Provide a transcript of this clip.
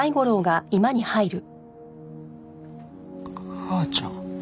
母ちゃん？